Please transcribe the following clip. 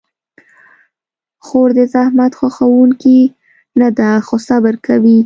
خور د زحمت خوښونکې نه ده، خو صبر کوي.